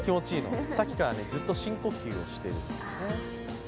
さっきからずっと深呼吸をしているんですね。